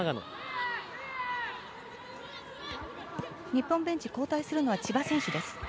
日本ベンチ交代するのは千葉選手です。